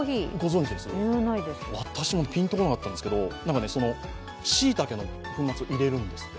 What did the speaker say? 私もピンとこなかったんですけどしいたけの粉末を入れるんですって。